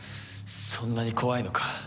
そんなに怖いのか？